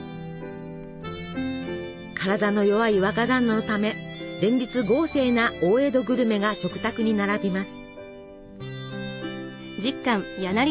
体の弱い若だんなのため連日豪勢な大江戸グルメが食卓に並びます。